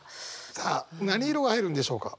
さあ何色が入るんでしょうか？